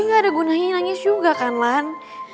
tapi gaada gunanya nangis juga kan lan